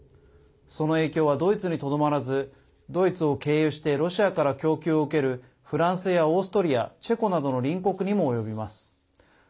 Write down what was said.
その影響はドイツにとどまらずドイツを経由してロシアから供給を受けるフランスやオーストリアチェコなどの隣国にも及びます。